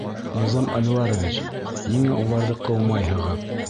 Низам Әнүәрович, ниңә уларҙы ҡыумайһығыҙ?